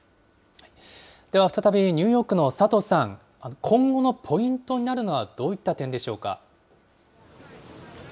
では再びニューヨークの佐藤さん、今後のポイントになるのはどういった点でしょうか。